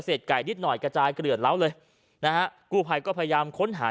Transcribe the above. ไก่นิดหน่อยกระจายเกลือดเล้าเลยนะฮะกู้ภัยก็พยายามค้นหา